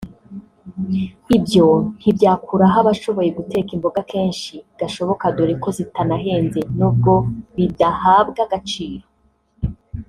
ibyo ntibyakuraho abashoboye guteka imboga kenshi gashoboka dore ko zitanahenze nubwo bidahabwa agaciro